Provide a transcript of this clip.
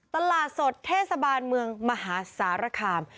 ตลาดสดเทศบาลเมืองมหาสารคาม